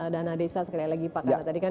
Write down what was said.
dana desa sekali lagi pak karena tadi kan